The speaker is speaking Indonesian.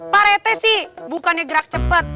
pak rete sih bukannya gerak cepat